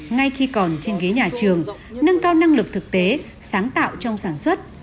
ngay khi còn trên ghế nhà trường nâng cao năng lực thực tế sáng tạo trong sản xuất